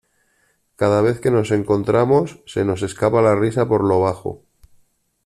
Cada vez que nos encontramos, se nos escapa la risa por lo bajo.